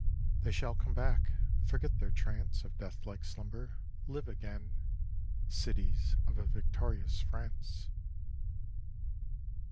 They shall come back, forget their trance Of death like slumber, live again, Cities of a victorious France!